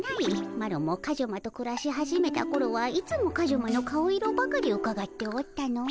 マロもカジュマとくらし始めたころはいつもカジュマの顔色ばかりうかがっておったのう。